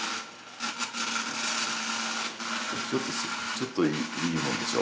ちょっといいもんでしょ。